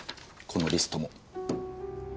このリストも。